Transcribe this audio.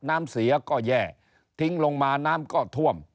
น้ำเสียก็แย่ทิ้งลงมาน้ำก็ท่วม